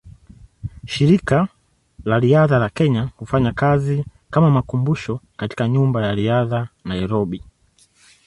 Shirika la Riadha la Kenya hufanya kazi kama makumbusho katika Nyumba ya Riadha, Nairobi.